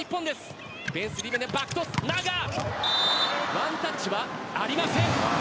ワンタッチはありません。